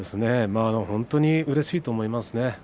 本当にうれしいと思います。